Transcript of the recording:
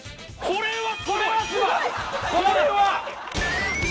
これは！